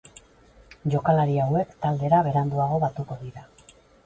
Jokalari hauek taldera beranduago batuko dira.